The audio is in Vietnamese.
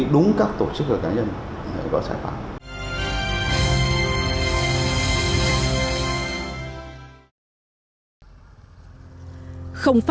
đúng không ạ